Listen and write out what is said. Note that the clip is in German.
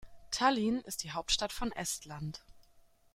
Tallinn ist die Hauptstadt von Estland.